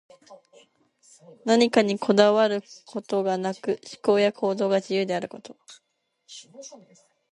何かにこだわることがなく、思考や行動が自由であること。